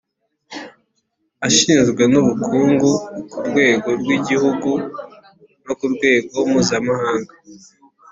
Ashinzwe n’ubukungu ku rwego rw’igihugu no ku rwego mpuzamahanga